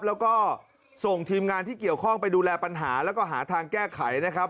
แล้วก็ส่งทีมงานที่เกี่ยวข้องไปดูแลปัญหาแล้วก็หาทางแก้ไขนะครับ